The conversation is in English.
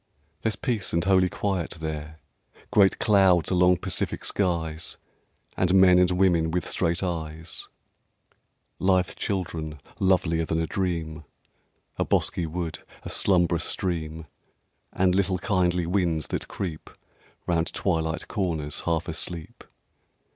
There's peace and holy quiet there, Great clouds along pacific skies, And men and women with straight eyes, Lithe children lovelier than a dream, A bosky wood, a slumbrous stream, And little kindly winds that creep Round twilight corners, half asleep.